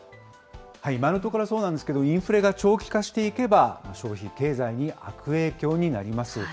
今のところはそうなんですけど、インフレが長期化していけば、消費、経済に悪影響になります。